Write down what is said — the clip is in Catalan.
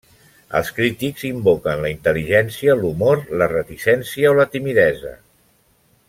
Els crítics invoquen la intel·ligència, l'humor, la reticència o la timidesa.